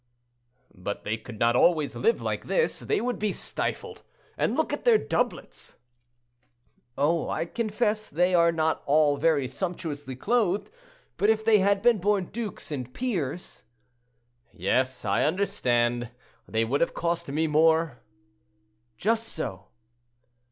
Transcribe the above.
"But they could not always live like this, they would be stifled. And look at their doublets!" "Oh! I confess they are not all very sumptuously clothed, but if they had been born dukes and peers—" "Yes, I understand; they would have cost me more?"—"Just so."